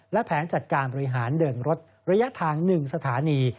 และแผนจัดการบริหารเดินรถระยะทาง๑สถานี